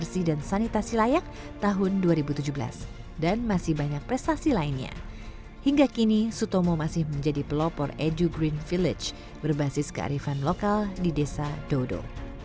sejak tahun dua ribu tujuh belas sutomo menjadi pelopor edu green village berbasis kearifan lokal di desa dodo